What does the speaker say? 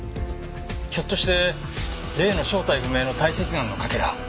ひょっとして例の正体不明の堆積岩のかけら。